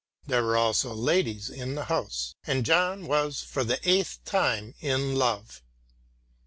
There were also ladies in the house, and John was for the eighth time in love.